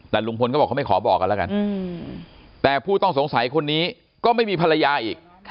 แต่ลุงพลก็บอกเขาไม่ขอบอกกันแล้วกันแต่ผู้ต้องสงสัยคนนี้ก็ไม่มีภรรยาอีก